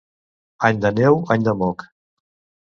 Any de neu, any de moc.